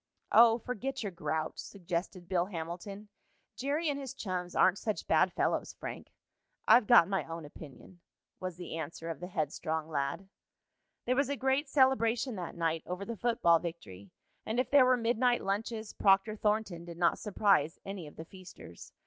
"Oh, forget your grouch," suggested Bill Hamilton. "Jerry and his chums aren't such bad fellows, Frank." "I've got my own opinion," was the answer of the headstrong lad. There was a great celebration that night over the football victory, and if there were midnight lunches, Proctor Thornton did not surprise any of the feasters.